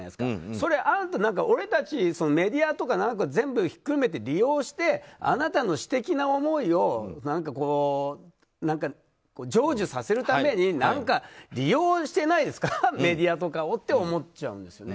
それがあると俺たちメディアとか何か全部ひっくるめて利用してあなたの私的な思いを成就させるために何か利用してないですかメディアとかをって思っちゃうんですよね。